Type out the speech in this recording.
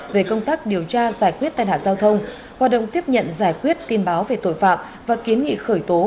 về công tác điều tra giải quyết tai nạn giao thông hoạt động tiếp nhận giải quyết tin báo về tội phạm và kiến nghị khởi tố